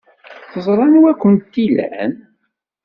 Teẓra anwa ay kent-ilan.